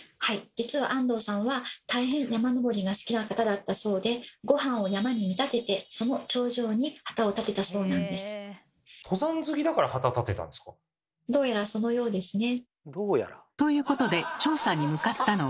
実は安藤さんは大変山登りが好きな方だったそうでごはんを山に見立ててその頂上に旗を立てたそうなんです。ということで調査に向かったのは。